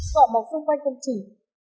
cọ bọc xung quanh công trình